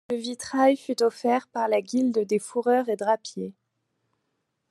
Le vitrail fut offert par la guilde des fourreurs et drapiers.